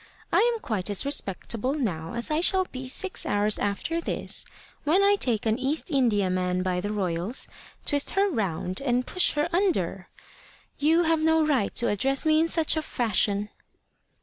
I am quite as respectable now as I shall be six hours after this, when I take an East Indiaman by the royals, twist her round, and push her under. You have no right to address me in such a fashion."